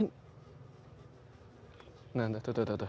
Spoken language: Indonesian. nah tuh tuh tuh